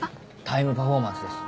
タイムパフォーマンスです。